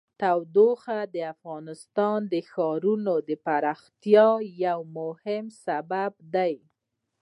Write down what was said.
تودوخه د افغانستان د ښاري پراختیا یو مهم سبب دی.